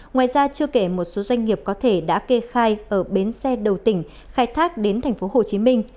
ngoài ra chưa kể một số doanh nghiệp có thể đã kê khai ở bến xe đầu tỉnh khai thác đến tp hcm